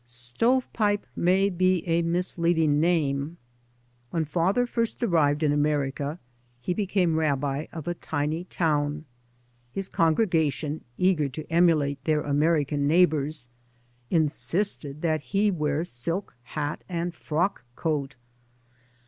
" Stove pipe " may be a misleading name. "When father first arrived in America he became rabbi of a tiny town. His congrega tion, eager to emulate their American neigh bours, insisted that he wear silk hat and frock coat.